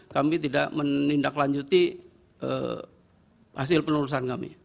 kami tidak menindaklanjuti hasil penelurusan kami